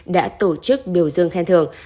đã tổ chức biểu dương khen thường